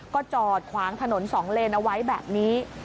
ก็จอดขวางถนน๒เลนเอาไว้แบบนี้